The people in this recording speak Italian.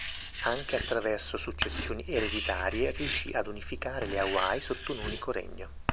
Anche attraverso successioni ereditarie riuscì ad unificare le Hawaii sotto un unico regno.